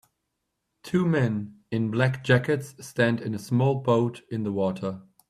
Two men in black jackets stand in a small boat in the water.